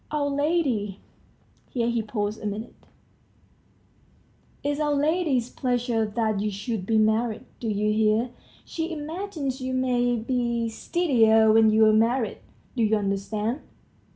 Our lady ..." here he paused a minute, "it's our lady's pleasure that you should be married. Do you hear? She imagines you may be steadier when you're married. Do you understand?"